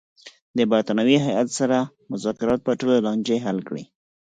د برټانوي هیات سره مذاکرات به ټولې لانجې حل کړي.